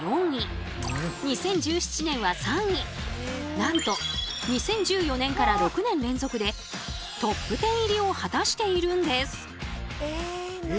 なんと２０１４年から６年連続でトップ１０入りを果たしているんです。